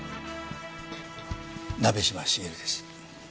鍋島茂です。